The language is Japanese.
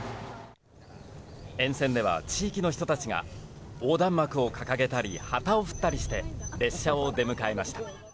沿線では地域の人たちが、横断幕を掲げたり旗を振ったりして、列車を出迎えました。